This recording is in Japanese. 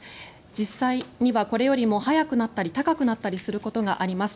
実際にはこれよりも早くなったり高くなったりすることがあります。